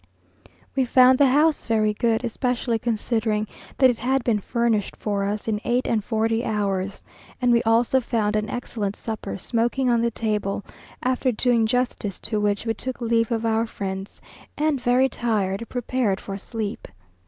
We found the house very good, especially considering that it had been furnished for us in eight and forty hours, and we also found an excellent supper smoking on the table; after doing justice to which we took leave of our friends, and, very tired, prepared for sleep.